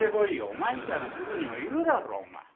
お前みたいなクズにもいるだろお前。